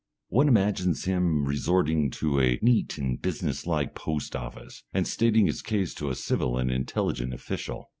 One imagines him resorting to a neat and business like post office, and stating his case to a civil and intelligent official.